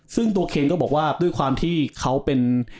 ซึ่งตัวเคนก็บอกว่าด้วยความที่เขาเป็น